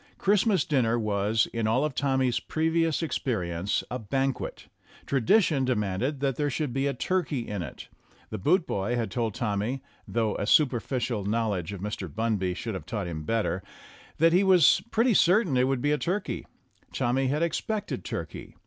Christmas dinner was, in all of Tommy's previous experience, a banquet. Tradition demanded that there should be turkey in it; the boot boy had told Tommy (though a superficial knowledge of Mr. Bunby should have taught him better), that he was pretty certain it would be turkey ; Tommy had expected turkey.